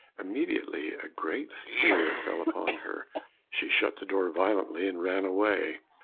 Immediately a great fear fell on her. She shut the door violently, and ran away.